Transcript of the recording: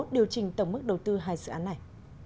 điều chỉnh tổng mức đầu tư hai dự án này